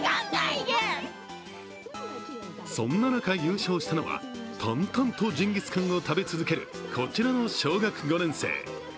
そんな中、優勝したのは淡々とジンギスカンを食べ続けるこちらの小学５年生。